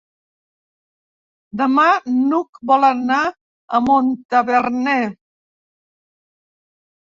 Demà n'Hug vol anar a Montaverner.